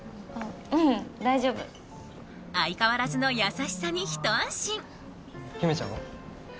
うん大丈夫相変わらずの優しさに一安心姫ちゃんは？